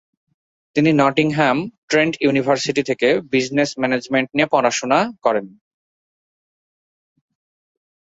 তিনি Nottingham Trent University থেকে business management নিয়ে পড়াশোনা করেন।